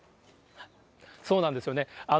そうなんですよね。